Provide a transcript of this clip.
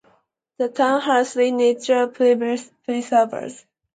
The town has three nature preserves.